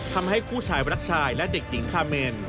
ทำให้คู่ชายรักชายและเด็กหญิงคาเมน